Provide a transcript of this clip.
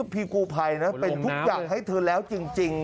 พี่กู้ภัยนะเป็นทุกอย่างให้เธอแล้วจริง